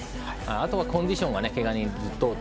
あとはコンディションがけが人等々